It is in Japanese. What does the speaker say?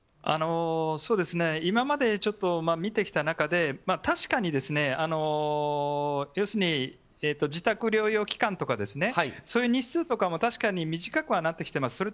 今まで、見てきた中で確かに要するに自宅療養期間とかそういう日数とかも確かに短くはなってきてます。